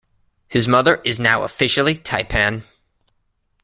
His mother is now officially taipan.